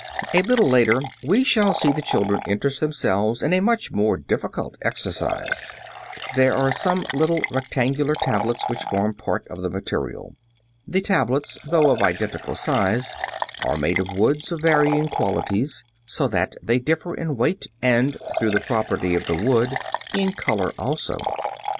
A little later we shall see the children interest themselves in a much more difficult exercise. [Illustration: FIG. 15. WOOD TABLETS DIFFERING IN WEIGHT.] There are some little rectangular tablets which form part of the material. (Fig. 15.) The tablets, though of identical size, are made of wood of varying qualities, so that they differ in weight and, through the property of the wood, in color also.